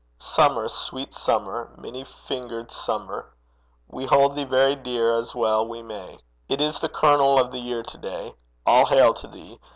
Summer, sweet Summer, many fingered Summer! We hold thee very dear, as well we may: It is the kernel of the year to day All hail to thee!